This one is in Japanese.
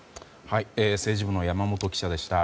政治部の山本記者でした。